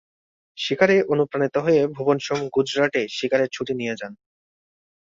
শিকারে অনুপ্রাণিত হয়ে ভুবন সোম গুজরাটে "শিকারের ছুটি" নিয়ে যান।